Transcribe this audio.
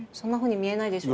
見えないでしょ